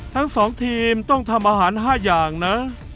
ทั้ง๒ทีมต้องทำอาหาร๕อย่างนะ